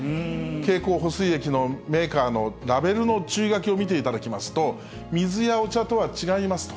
経口補水液のメーカーのラベルの注意書きを見ていただきますと、水やお茶とは違いますと。